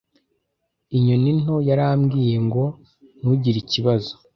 Inyoni nto yarambwiye ngo ntujyire ikibazo